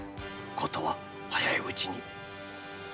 事は早いうちに。